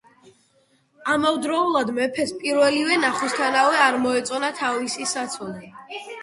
ამავდროულად, მეფეს პირველივე ნახვისთანავე არ მოეწონა თავისი საცოლე.